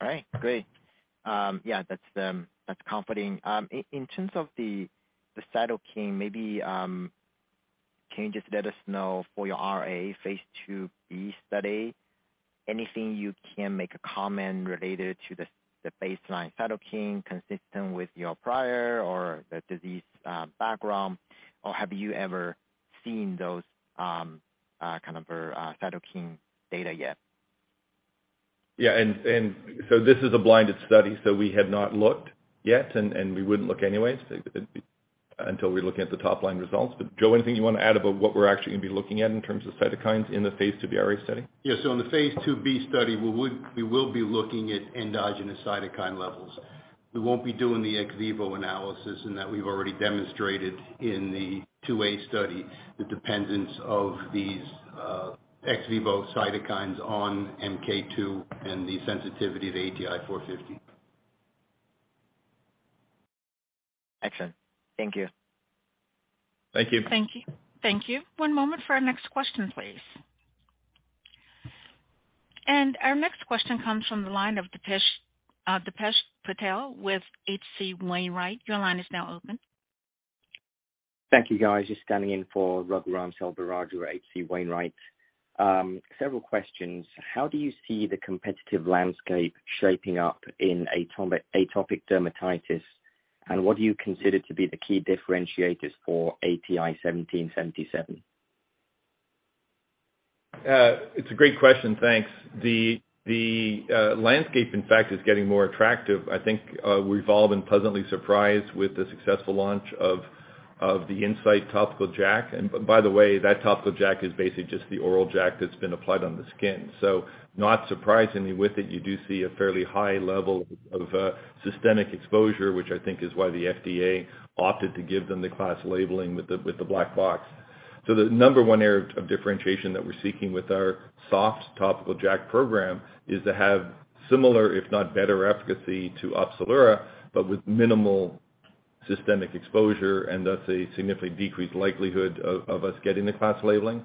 All right. Great. yeah, that's comforting. in terms of the cytokine, maybe, can you just let us know for your RA phase 2b study, anything you can make a comment related to the baseline cytokine consistent with your prior or the disease background? Have you ever seen those kind of cytokine data yet? Yeah. This is a blinded study, so we had not looked yet, and we wouldn't look anyways until we look at the top line results. Joseph anything you wanna add about what we're actually gonna be looking at in terms of cytokines in the phase 2b RA study? Yeah. In the phase 2b study, we will be looking at endogenous cytokine levels. We won't be doing the ex vivo analysis in that we've already demonstrated in the phase 2a study the dependence of these ex vivo cytokines on MK2 and the sensitivity to ATI-450. Excellent. Thank you. Thank you. Thank you. Thank you. One moment for our next question, please. Our next question comes from the line of Dilesh Patel with HC Wainwright. Your line is now open. Thank you, guys. Just standing in for Raghuram Selvaraju at HC Wainwright. Several questions. How do you see the competitive landscape shaping up in atopic dermatitis, and what do you consider to be the key differentiators for ATI-1777? It's a great question. Thanks. The landscape, in fact, is getting more attractive. I think we've all been pleasantly surprised with the successful launch of the Incyte topical JAK. By the way, that topical JAK is basically just the oral JAK that's been applied on the skin. Not surprisingly with it, you do see a fairly high level of systemic exposure, which I think is why the FDA opted to give them the class labeling with the black box. The number one area of differentiation that we're seeking with our soft topical JAK program is to have similar, if not better efficacy to Opzelura, but with minimal systemic exposure, and thus a significantly decreased likelihood of us getting the class labeling.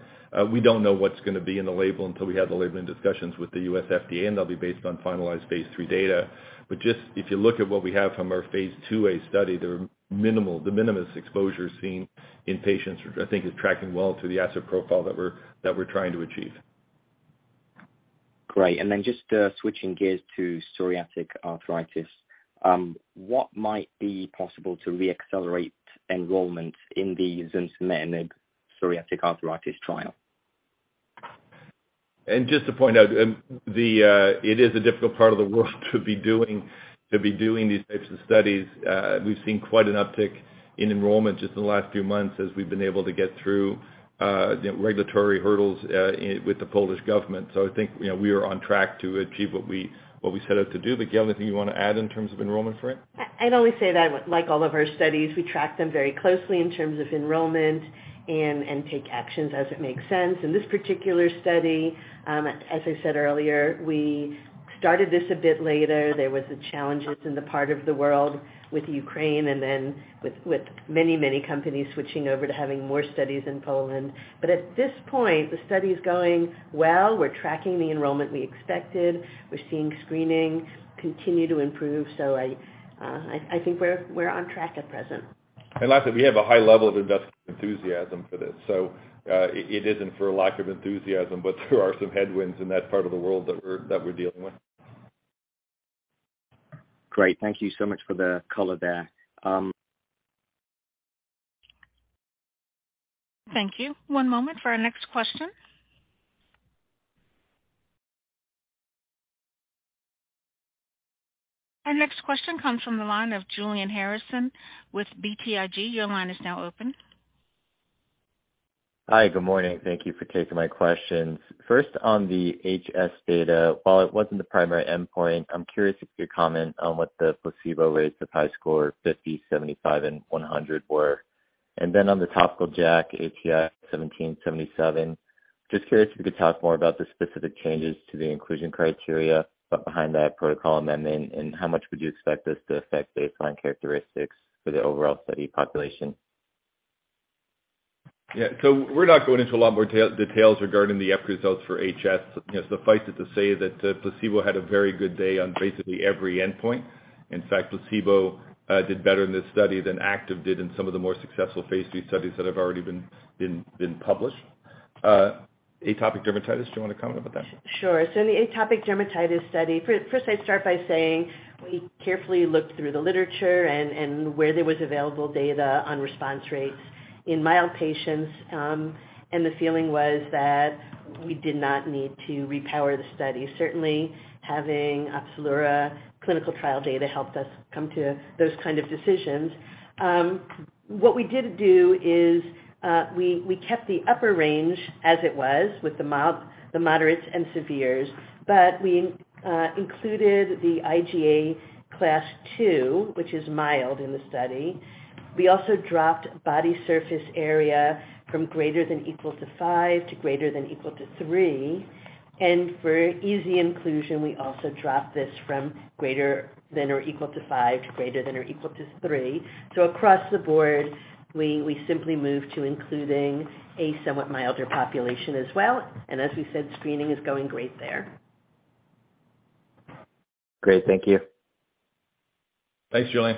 We don't know what's gonna be in the label until we have the labeling discussions with the US FDA, they'll be based on finalized phase 3 data. Just if you look at what we have from our phase 2a study, there are the minimus exposure seen in patients, which I think is tracking well to the asset profile that we're trying to achieve. Great. Just switching gears to psoriatic arthritis, what might be possible to re-accelerate enrollment in the zunsemetinib psoriatic arthritis trial? Just to point out, it is a difficult part of the world to be doing these types of studies. We've seen quite an uptick in enrollment just in the last few months as we've been able to get through, you know, regulatory hurdles with the Polish government. I think, you know, we are on track to achieve what we set out to do. Gail, anything you wanna add in terms of enrollment for it? I'd only say that like all of our studies, we track them very closely in terms of enrollment and take actions as it makes sense. In this particular study, as I said earlier, we started this a bit later. There was the challenges in the part of the world with Ukraine and then with many companies switching over to having more studies in Poland. At this point, the study's going well. We're tracking the enrollment we expected. We're seeing screening continue to improve. I think we're on track at present. Lastly, we have a high level of investor enthusiasm for this. It isn't for lack of enthusiasm, but there are some headwinds in that part of the world that we're dealing with. Great. Thank you so much for the color there. Thank you. One moment for our next question. Our next question comes from the line of Julian Harrison with BTIG. Your line is now open. Hi. Good morning. Thank you for taking my questions. First on the HS data, while it wasn't the primary endpoint, I'm curious if you could comment on what the placebo rates of HiSCR 50, 75, and 100 were. On the topical JAK ATI-1777, just curious if you could talk more about the specific changes to the inclusion criteria behind that protocol amendment, and how much would you expect this to affect baseline characteristics for the overall study population? Yeah. We're not going into a lot more details regarding the results for HS. Suffice it to say that placebo had a very good day on basically every endpoint. In fact, placebo did better in this study than active did in some of the more successful phase 3 studies that have already been published. Atopic dermatitis. Do you wanna comment about that? Sure. In the atopic dermatitis study, first I'd start by saying we carefully looked through the literature and where there was available data on response rates in mild patients, and the feeling was that we did not need to repower the study. Certainly, having Opzelura clinical trial data helped us come to those kind of decisions. What we did do is, we kept the upper range as it was with the mild, the moderates and severes, but we included the IGA Class 2, which is mild in the study. We also dropped body surface area from greater than equal to 5 to greater than equal to 3. For EASI inclusion, we also dropped this from greater than or equal to 5 to greater than or equal to 3. So across the board, we simply moved to including a somewhat milder population as well. As we said, screening is going great there. Great. Thank you. Thanks, Julian.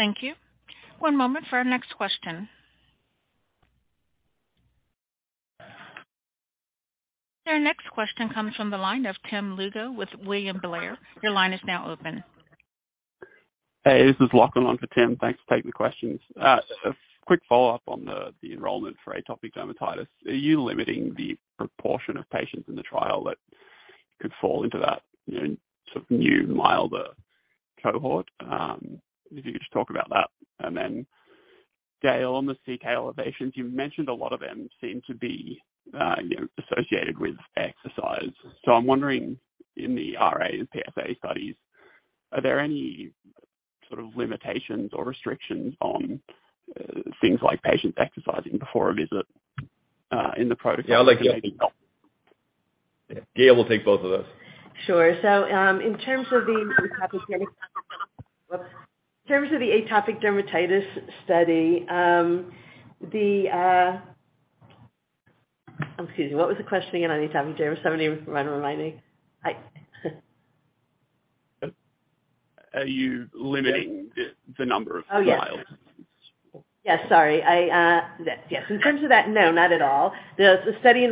Thank you. One moment for our next question. Our next question comes from the line of Timothy Lugo with William Blair. Your line is now open. Hey, this is Lachlan for Timothy. Thanks for taking the questions. A quick follow-up on the enrollment for atopic dermatitis. Are you limiting the proportion of patients in the trial that could fall into that, you know, sort of new, milder cohort? If you could just talk about that. Gail, on the CK elevations, you mentioned a lot of them seem to be, you know, associated with exercise. I'm wondering, in the RA and PSA studies, are there any sort of limitations or restrictions on things like patients exercising before a visit in the protocol? Yeah, Gail will take both of those. Sure. In terms of the atopic dermatitis study, Excuse me, what was the question again on atopic dermatitis? Remind me. I... Are you limiting the number of files? Oh, yes. Yeah, sorry. I, yes. In terms of that, no, not at all. The study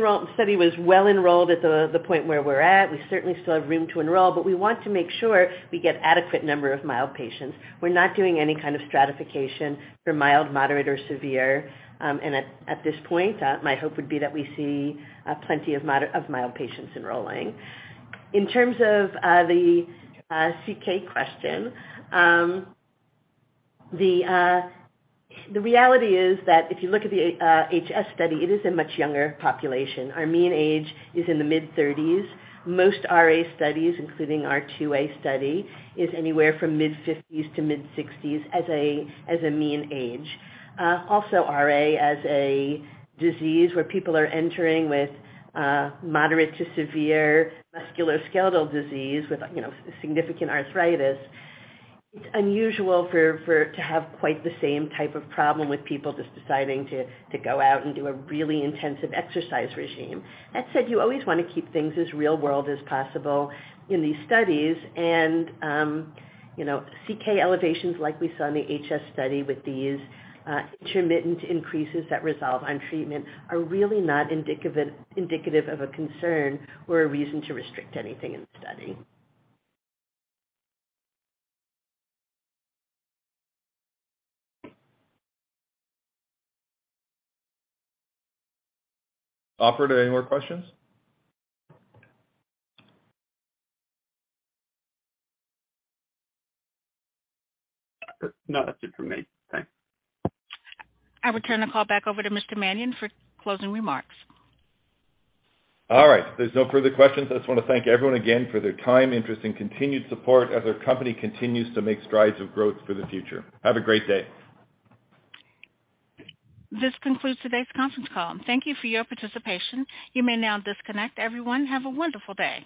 was well enrolled at the point where we're at. We certainly still have room to enroll, but we want to make sure we get adequate number of mild patients. We're not doing any kind of stratification for mild, moderate, or severe. At this point, my hope would be that we see plenty of mild patients enrolling. In terms of the CK question, the reality is that if you look at the HS study, it is a much younger population. Our mean age is in the mid-thirties. Most RA studies, including our 2a study, is anywhere from mid-fifties to mid-sixties as a mean age. Also RA as a disease where people are entering with moderate to severe musculoskeletal disease with, you know, significant arthritis. It's unusual for to have quite the same type of problem with people just deciding to go out and do a really intensive exercise regime. That said, you always wanna keep things as real-world as possible in these studies and, you know, CK elevations, like we saw in the HS study with these intermittent increases that resolve on treatment are really not indicative of a concern or a reason to restrict anything in the study. Operator, any more questions? No, that's it for me. Thanks. I return the call back over to Mr. Manion for closing remarks. All right. If there's no further questions, I just wanna thank everyone again for their time, interest, and continued support as our company continues to make strides of growth for the future. Have a great day. This concludes today's conference call, and thank you for your participation. You may now disconnect. Everyone, have a wonderful day.